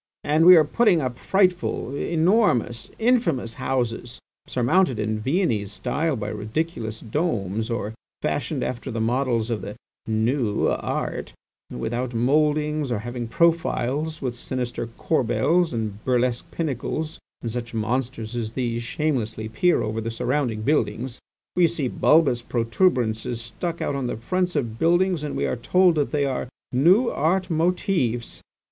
And we are putting up frightful, enormous, infamous houses, surmounted in Viennese style by ridiculous domes, or fashioned after the models of the 'new art' without mouldings, or having profiles with sinister corbels and burlesque pinnacles, and such monsters as these shamelessly peer over the surrounding buildings. We see bulbous protuberances stuck on the fronts of buildings and we are told they are 'new art' motives.